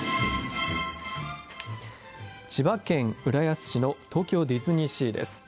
千葉県浦安市の東京ディズニーシーです。